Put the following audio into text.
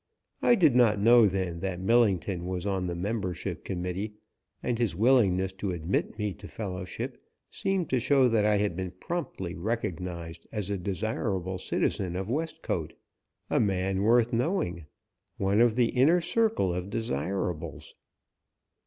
I did not know then that Millington was on the membership committee, and his willingness to admit me to fellowship seemed to show that I had been promptly recognized as a desirable citizen of Westcote; a man worth knowing; one of the inner circle of desirables.